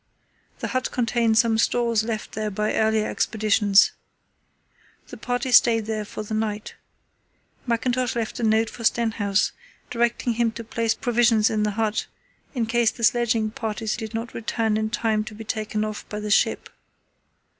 The hut contained some stores left there by earlier Expeditions. The party stayed there for the night. Mackintosh left a note for Stenhouse directing him to place provisions in the hut in case the sledging parties did not return in time to be taken off by the ship.